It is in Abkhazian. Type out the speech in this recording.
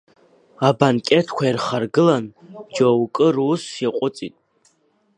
Абанкетқәа ирхаргалан, џьоукы рус иаҟәыҵт.